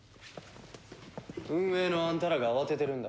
運営のあんたらが慌ててるんだ。